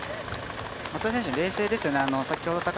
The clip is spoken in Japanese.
松田選手、冷静ですよね